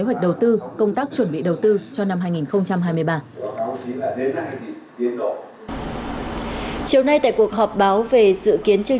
kế hoạch đầu tư công tác chuẩn bị đầu tư cho năm hai nghìn hai mươi ba chiều nay tại cuộc họp báo về dự kiến chương